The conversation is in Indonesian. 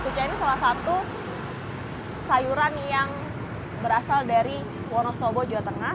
kucah ini salah satu sayuran yang berasal dari wonosobo jawa tengah